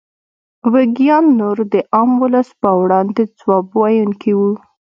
ویګیان نور د عام ولس په وړاندې ځواب ویونکي وو.